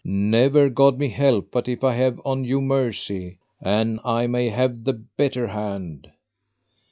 Never God me help but if I have on you mercy, an I may have the better hand.